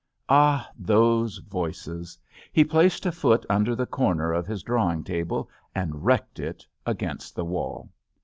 Ah, those voices ! He placed a foot under the corner of his drawing table and wrecked it against the wall.